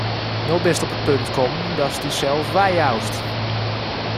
No bist op it punt kommen, datst dysels weijoust.